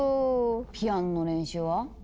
ピアノの練習は？